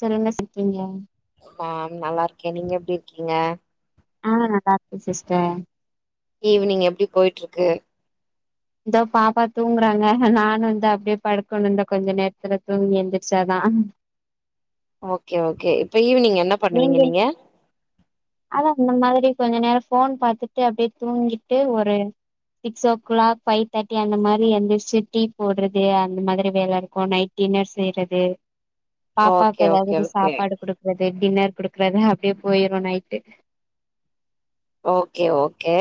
சொல்லுங்க இருக்கீங்க ஆம் நல்லா இருக்கே நீங்க எப்டி இருக்கீங்க ஆ நல்லா இருக்கே சிஸ்டர் ஈவினிங் எப்டி போயிட்ருக்கு இதோ பாப்பா தூங்குறாங்க நானு வந்து அப்டியே படுக்கணு இந்தா கொஞ்ச நேரத்ல தூங்கி எந்த்ரிச்சாதா அ ஓகே ஓகே இப்ப ஈவ்னிங் நீங்க அதா இந்த மாதிரி கொஞ்ச நேரொ ஃபோன் பாத்துட்டு அப்டியே தூங்கிட்டு ஒரு சிக்ஸ் ஓ க்ளாக் ஃபை தேட்டி அந்த மாரி எந்திர்ச்சி டீ போட்றது அந்த மாதிரி வேல இருக்கு நைட் டின்னர் செய்றது ஓகே பாப்பாக்கு ஏதாவ்து ஓகே இது ஓகே சாப்பாடு குடுக்கற் கு டின்னர் குடுக்றது அப்டியே பொய்ரு நைட்டு ஓகே ஓகே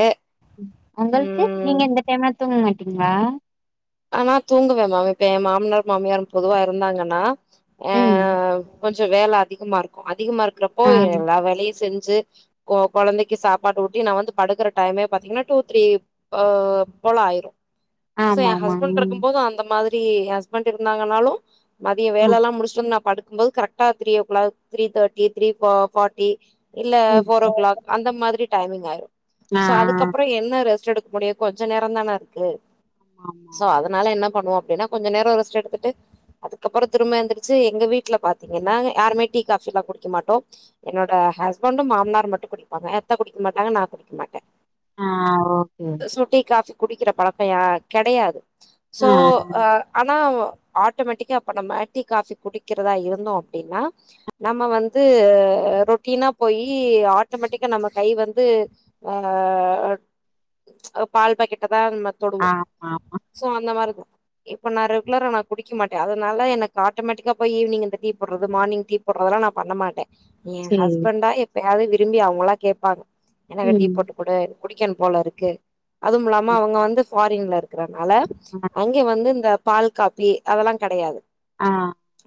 ஒங்கள்க்கு ம் நீங்க இந்த டைம்லா தூங்க மாட் டீங்ளா அ நா தூங்குவ மேம் இப்ப ஏ மாம்னார் மாமியாரும் பொதுவா இருந்தாங்கன்னா ஆ ம் கொஞ்சோ வேல அதிகமாருக்கு அதிகமாருக்கறப்போ ஆ எல்லா வேலையு செஞ்சு ச்சு கொ கொழந்தைக்கு சாப்பாடு ஊட்டி நா வந்து படுக்கற டைமே பாத்தீங்கன்னா டூ த்ரீ ஆ ப்போலாயிரு ஆமா ஆமா ஹஸ்பண்டு ம் இருக்கும் போது அந்த மாதிரி ஹஸ்பண்ட் இருந்தாங்கனாலு மதிய வேலல்லா முடிச்சுட்டு வந்து நா படுக் கும்போது கரெக்டா three o'clock three thirty three பா ஃபாட்டி இல்ல ம் போர் ஓ ம் கிளாக் அந்த மாதிரி டைமிங் ஆயிரும் ஆ சோ அதுக்கப்புறோ என்ன ரெஸ்ட் எடு முடியு கொஞ்சோ நேரோ தான இருக்கு ஆமா சோ அதனால என்ன பண்ணுவோ அப்டின்னா கொஞ்சோ நேரோ ரெஸ்டெடுத்துட்டு அதுக்கப்புறோ திரும்ப எந்துருச்சு எங்க வீட்ல பாத்தீங்கன்னா யாருமே டீ காஃபில்லா குடிக்க மாட்டோ என்னோட ஹ ஹஸ்பண்டும் மாமனாரு மட்டும் குடிப்பாங்க எத்த குடிக்க மாட்டாங்க நா குடிக்க மாட்ட ஆ ஓகே ஓகே குடிக்கிற பழக்கோ யா கெடையாது சோ ஆ ஆனா ஆட்டோமேட்டிக்கா அப்ப நம்ம டீ காஃபி குடிக்கறதா இருந்தோ அப்டின்னா நம்ம வந்து அ ரொட்டீனா போயி ஆட்டோமேட்டிக்கா நம்ம கை வந்து ஆ அ பால் பாக்கெட்டு ஆமா ஆமா சோ அந்த மாரிதா இப்ப நா ரெகுலரா நா குடிக்க மாட்டே அதனால எனக்கு ஆட்டோமேட்டிக்கா போய் ஈவினிங் இந்த டீ போடுறது மார்னிங் டீ போடுறதா இதுலா நா பண்ண மாட்டே ஏ சேரி ஹஸ்பண்டா எப்பயாவது விரும்பி அவங்களா கேட்பாங்க எனக்கு டீ ம் போட்டு கூடுன் குடிக்கின் போலருக்கு அதுவுமில்லாம அவுங்க வந்து ஃபாரின்ல இருக்கறனால ஆ அங்கே வந்து இந்த பால் காப்பி அதெல்லா கெடையாது ஆ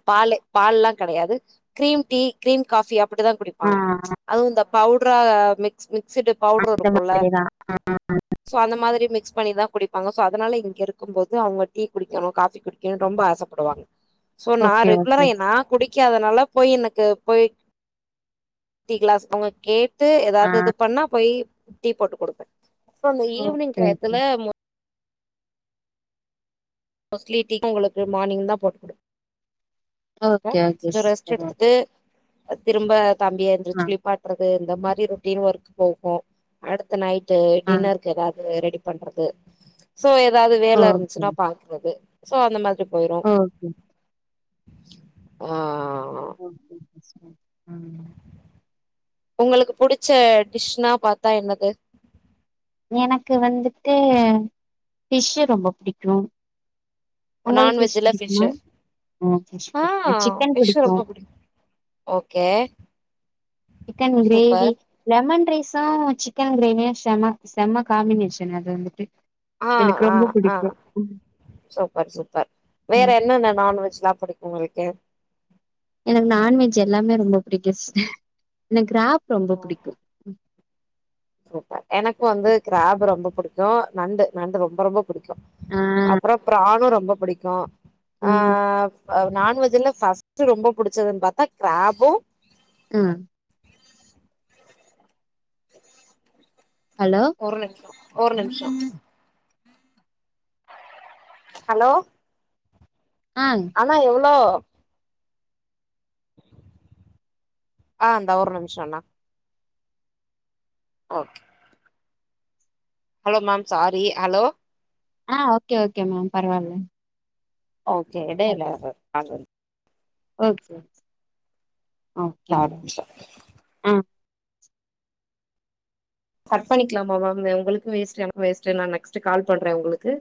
பாலு பால்லா கெடையாது கிரீம் டீ கிரீம் காஃபி அப்டிதா ஆ குடிப்பாங்க அதுவு இந்த பவுட் ப்புறோ மிக்ஸ் ஸுடு இந்த பவுடர்ருக்குல்ல மாதிரிதா சோ அந்த மாதிரி மிக்ஸ் பண்ணிதா குடிப்பாங்க சோ அதனால இங்க இருக்கு போது அவுங்க டீ குடிக்கணு காஃபி குடிக்கணுன்னு ரொம்ப ஆசப்படுவாங்க சோ நா ஓகே ரெகுலரா ஓகே என் நா குடிக்காத நல்லா போய் எனக்கு போய் டீ கிளாஸ் அவுங்க கேட் டு ஆ ஏதாவது இது பண்ணா போய் டீ போட்டு குடுப்பே சோ அந்த ஈவினிங் ஓகே டயத்துல மோஸ்ட்லி டீ அவுங்களுக்கு மார்னிங் தா போட்டுக்குடுப் த ஓகே ஓகே சிஸ்டர் ஸரெஸ்ட்டுத்துட்டு திரும்ப தம்பிய ஆ எழுந்துருச்சி குளிப்பாட்டுறது இந்த மாதிரி ரொட்டின் ஒர்க் போகு அடுத்த நைட்டு ஆ டின்னருக்கு ஏதாவ்து ரெடி பண்றது சோ ஏதாவது வேல இருந்துச்சுன்னா பாக்கறது சோ அந்த மாதிரி போயிரு ஆ ஓகே ஆ ஓகே சிஸ் ம் உங்களுக்கு புடிச்ச டிஷ்னா பாத்தா என்னது எனக்கு வந்துட்டு ஃப்ஷு ரொம்ப புடிக்கு உங்களுக்கு ஃப்ஷ் நான்வெஜ்ல பிடிக்குமா் ஃபிஷ்ஷு அ ஃப்ஷ் ஆ புடிக்கு சிக்கன் ஃபிஷ் புடிக்கு ரொம்ப okay chicken gravy super lemon ரை ஸல்லா சிக்கன் கிரேவியு செம்ம செம்ம காம்பினேஷன் அது வந்துட்டு ஆ எனக்கு ஆ ரொம்ப ஆ புடிக்கு சூப்பர் சூப்பர் வேற ம். என்னென்ன நான்வெஜ்லா புடிக்கு உங்களுக்கு எனக்கு நான்வெஜ் எல்லாமே ரொம்ப பிடிக்கும் சிஸ் எனக்கு க்ராப் ரொம்ப புடிக்கு சூப்பர் எனக்கு வந்து க்ராப் ரொம்ப புடிக்கு நண்டு நண்டு ரொம்ப ரொம்ப புடிக்கு ஆ அப்புறோ ப்ரான்னு ரொம்ப புடிக்கு ஆ ம் நான்வெஜ்ல ஃபஸ்ட்டு ரொம்ப புடிச்சதுன்னு பாத்தா க்ராபு ம் [unintelligible] ஹலோ ஒரு நிம்ஷோ ஒரு நிம்ஷோ ஹலோ ஆ அண்ணா எவ்ளோ ஆ அந்தா ஒரு நிமிஷொனா okay hello ma'am sorry hello ஆ ஓகே ஓகே மேம் பரவாயில்ல ஓகே எடைல ஆளு சர் சரி சரி சரி ஆ ஒகேங்க ஆ கர் பண்ணிக்குலாமா மேம் ஆ உங்களுக்கு வேஸ்ட் என்னக்ஙு வேஸ்ட்டு நா நெக்ஸ்ட்டு கால் பண்றே உங்களுக்கு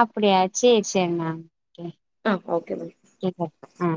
அப்டியா சே சே மா கே ஆ ஓகே மேம் கேக்க ஆ